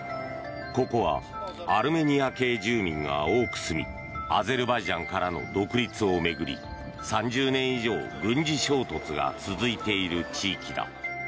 ここはアルメニア系住民が多く住みアゼルバイジャンからの独立を巡り３０年以上軍事衝突が続いている地域だ。